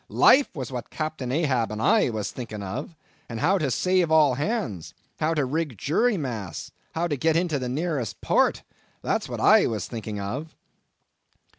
Life was what Captain Ahab and I was thinking of; and how to save all hands—how to rig jury masts—how to get into the nearest port; that was what I was thinking of."